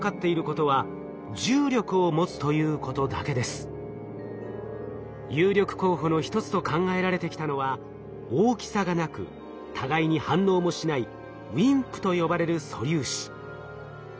今観測で有力候補の一つと考えられてきたのは大きさがなく互いに反応もしないＷＩＭＰと呼ばれる素粒子。